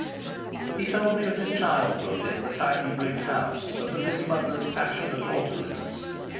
He told me of his childhood in the tidy brick house, and of his mother's passionate orderliness.